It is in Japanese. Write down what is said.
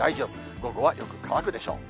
午後はよく乾くでしょう。